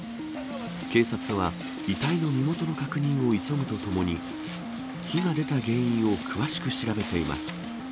警察は、遺体の身元の確認を急ぐとともに、火が出た原因を詳しく調べています。